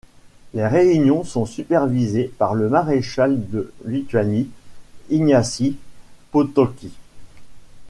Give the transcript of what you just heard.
Les réunions sont supervisées par le maréchal de Lituanie Ignacy Potocki.